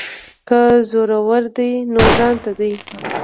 که زورور دی نو ځانته دی.